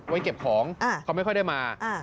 ไว้เก็บของเขาไม่ค่อยได้มา